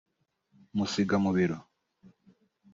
musiga mu biro